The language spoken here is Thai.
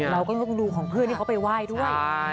เราก็ต้องดูของเพื่อนที่เขาไปไหว้ด้วย